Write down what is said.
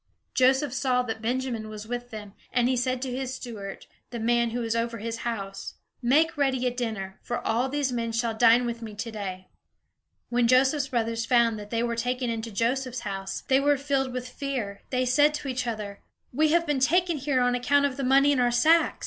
Joseph saw that Benjamin was with them, and he said to his steward, the man who was over his house: "Make ready a dinner, for all these men shall dine with me today." When Joseph's brothers found that they were taken into Joseph's house, they were filled with fear. They said to each other: "We have been taken here on account of the money in our sacks.